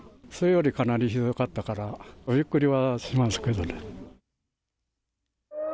それよりかなりひどかったから、びっくりはしますけどね。